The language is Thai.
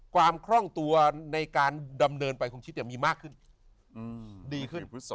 ความคร่องตัวในการดำเนินไปของชีพจะมีมากขึ้น